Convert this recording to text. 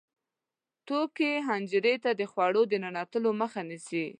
توکې حنجرې ته د خوړو د ننوتو مخه نیسي.